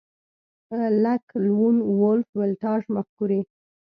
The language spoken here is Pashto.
لکه لون وولف ولټاژ مفکورې